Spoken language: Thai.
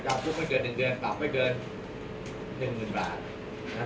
การพลุกไม่เกินหนึ่งเดือนตับไม่เกินหนึ่งเงินบาทนะครับ